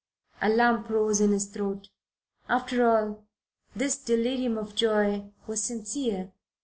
A lump rose in his throat. After all, this delirium of joy was sincere.